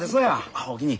あおおきに。